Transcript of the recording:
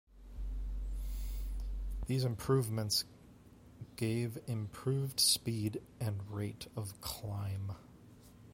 These improvements gave improved speed and rate of climb.